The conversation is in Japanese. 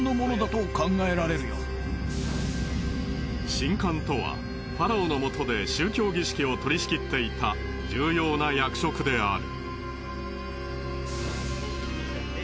神官とはファラオのもとで宗教儀式を取り仕切っていた重要な役職である。